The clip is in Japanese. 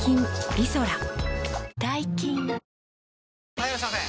・はいいらっしゃいませ！